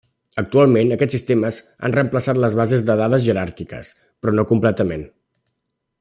Actualment aquests sistemes han reemplaçat les bases de dades jeràrquiques però no completament.